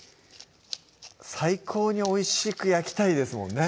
最高においしく焼きたいですもんね